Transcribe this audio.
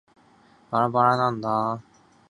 ばらばらなんだーおもしろーい